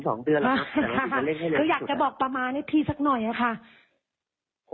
คืออยากจะบอกประมาณนิดพี่สักหน่อยค่ะ